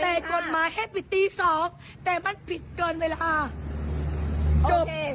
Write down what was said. แต่กฎหมายให้ปิดตีสองแต่มันปิดเกินเวลาจบ